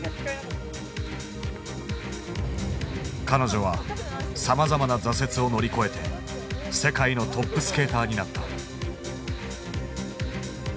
彼女はさまざまな挫折を乗り越えて世界のトップスケーターになった。